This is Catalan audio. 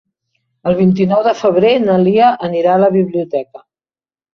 El vint-i-nou de febrer na Lia anirà a la biblioteca.